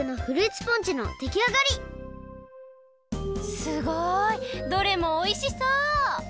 すごい！どれもおいしそう！